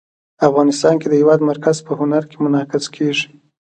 افغانستان کې د هېواد مرکز په هنر کې منعکس کېږي.